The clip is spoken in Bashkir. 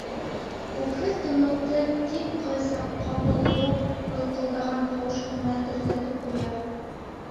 Үкһеҙ тынлыҡты тик ҡай саҡ ҡапыл һыу былҡылдаған тауыш ҡына тертләтеп ҡуя.